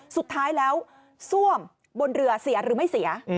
สุดท้ายแล้วซ่วมบนเรือเสียหรือไม่เสีย